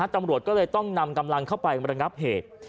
ตำรวจก็เลยต้องนำกำลังเข้าไประงับเหตุ